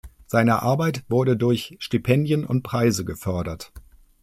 Seine Arbeit wurde durch Stipendien und Preise gefördert.